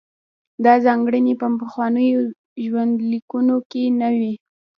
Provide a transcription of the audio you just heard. دا ځانګړنې په پخوانیو ژوندلیکونو کې نه وې.